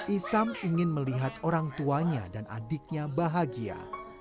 isam ingin melihat orang tuanya dan adiknya bahagia